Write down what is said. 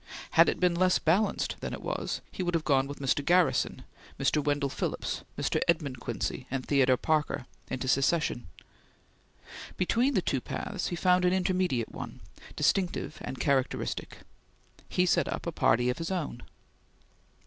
Had it been less balanced than it was, he would have gone with Mr. Garrison, Mr. Wendell Phillips, Mr. Edmund Quincy, and Theodore Parker, into secession. Between the two paths he found an intermediate one, distinctive and characteristic he set up a party of his own.